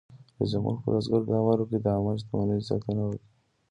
رئیس جمهور خپلو عسکرو ته امر وکړ؛ د عامه شتمنیو ساتنه وکړئ!